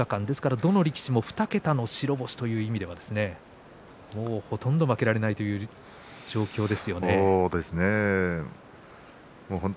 どの力士も２桁の白星という意味ではほとんど負けられないという状況ですね。